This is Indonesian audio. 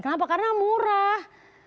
kenapa karena murah